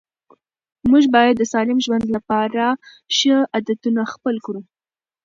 موږ باید د سالم ژوند لپاره ښه عادتونه خپل کړو